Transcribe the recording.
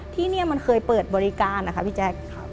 ที่นี่มันเคยเปิดบริการนะคะพี่แจ๊ค